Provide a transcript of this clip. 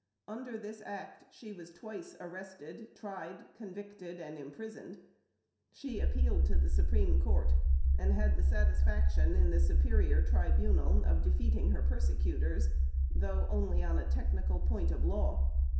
Under this Act she was twice arrested, tried, convicted, and imprisoned. She appealed to the Supreme Court, and had the satisfaction in the superior tribunal of defeating her persecutors, though only on a technical point of law.